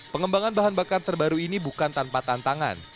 pengembangan bahan bakar terbaru ini bukan tanpa tantangan